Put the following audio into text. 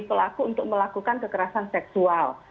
pelaku untuk melakukan kekerasan seksual